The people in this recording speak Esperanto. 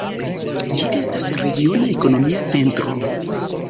Ĝi estas regiona ekonomia centro.